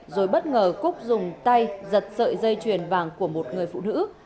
rồi bất ngờ cúc dùng tay giật sợi dây chuyền vàng của một người phụ nữ